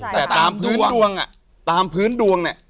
แต่ตามพื้นดวงอ่ะตามพื้นดวงเนี่ย